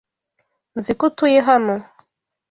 Nzi ko utuye hano.